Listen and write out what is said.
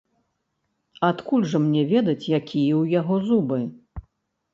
Адкуль жа мне ведаць, якія ў яго зубы?